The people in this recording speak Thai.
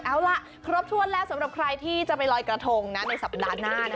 เอาล่ะครบถ้วนแล้วสำหรับใครที่จะไปลอยกระทงในสัปดาห์หน้า